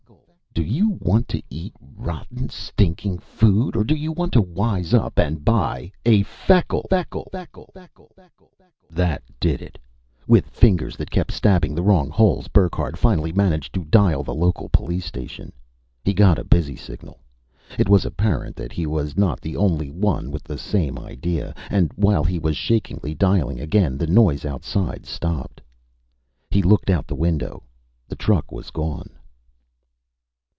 Do you want to eat rotten, stinking food? Or do you want to wise up and buy a Feckle, Feckle, Feckle " That did it. With fingers that kept stabbing the wrong holes, Burckhardt finally managed to dial the local police station. He got a busy signal it was apparent that he was not the only one with the same idea and while he was shakingly dialing again, the noise outside stopped. He looked out the window. The truck was gone.